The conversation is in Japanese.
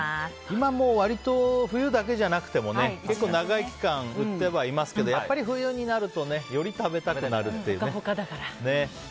今もう割と冬だけじゃなくても結構長い期間売ってはいますけどやっぱり冬になるとより食べたくなるというね。